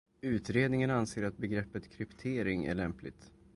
Utredningen anser att begreppet kryptering är lämpligt.